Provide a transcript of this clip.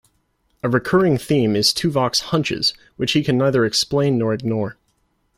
A recurring theme is Tuvok's "hunches", which he can neither explain nor ignore.